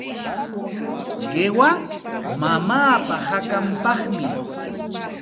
Qiwa mamaapa hakanpaqmi.